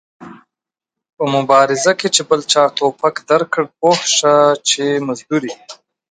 په مبارزه کې چې بل چا ټوپک درکړ پوه سه چې مزدور ېې